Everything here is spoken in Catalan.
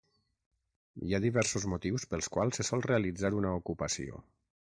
Hi ha diversos motius pels quals se sol realitzar una ocupació.